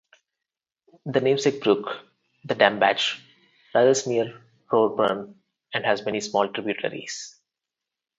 The namesake brook, the Dammbach, rises near Rohrbrunn and has many small tributaries.